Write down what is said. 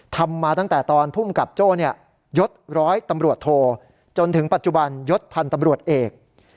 ทำมาตั้งแต่ตอนภูมิกับโจ้ยดร้อยตำรวจโทจนถึงปัจจุบันยศพันธ์ตำรวจเอก